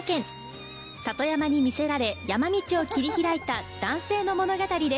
里山に魅せられ山道を切り拓いた男性の物語です。